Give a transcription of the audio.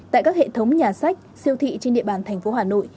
tại các hệ thống nhà sách siêu thị trên địa bàn thành phố hà nội